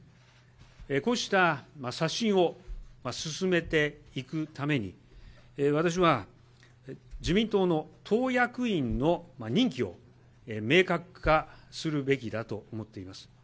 こうした刷新を進めていくために、私は自民党の党役員の任期を明確化するべきだと思っています。